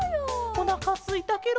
おなかすいたケロ。